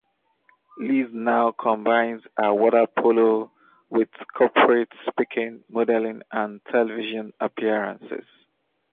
Liz now combines her water polo with corporate speaking, modelling and television appearances.